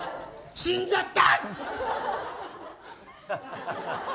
死んじゃった？